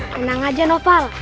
tenang aja noval